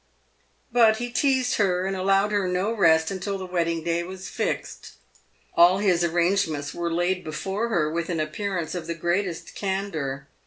But he teased her and allowed her no rest until the wedding day was fixed. All his arrangements were laid before her with an appearance of the greatest candour.